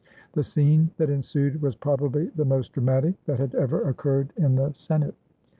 The scene that ensued was probably the most dra matic that had ever occurred in the Senate.